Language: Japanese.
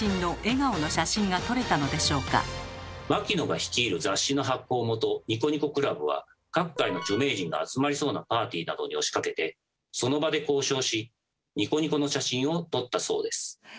牧野が率いる各界の著名人が集まりそうなパーティーなどに押しかけてその場で交渉し「ニコニコ」の写真を撮ったそうです。